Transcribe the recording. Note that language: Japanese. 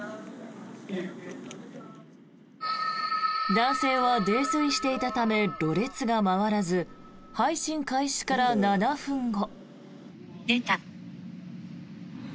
男性は泥酔していたためろれつが回らず配信開始から７分後。